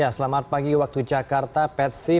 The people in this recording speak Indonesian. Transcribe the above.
selamat pagi waktu jakarta petsi